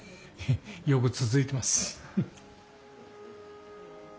よく続いてます。